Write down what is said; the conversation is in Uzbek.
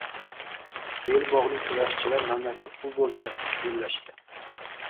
Belg‘obli kurashchilar mamlakat kubogida bellashding